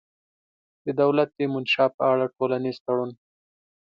د دولت د منشا په اړه ټولنیز تړون